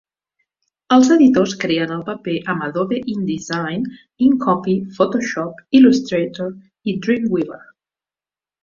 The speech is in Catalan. Els editors creen el paper amb Adobe InDesign, InCopy, Photoshop, Illustrator i Dreamweaver.